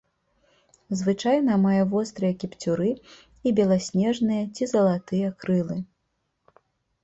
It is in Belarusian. Звычайна мае вострыя кіпцюры і беласнежныя ці залатыя крылы.